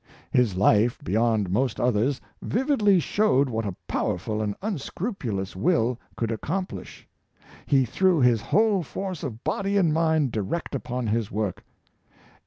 His life, beyond most others, vividly showed what a powerful and un scrupulous will could accomplish. He threw his whole force of body and mind direct upon his work.